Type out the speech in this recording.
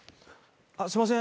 すいません